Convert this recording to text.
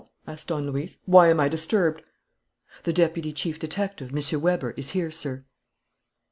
asked Don Luis. "Why am I disturbed?" "The deputy chief detective, M. Weber, is here, sir."